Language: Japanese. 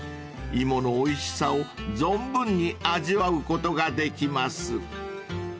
［芋のおいしさを存分に味わうことができます］